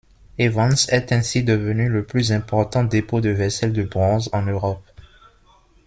Évans est ainsi devenu le plus important dépôt de vaisselle de bronze en Europe.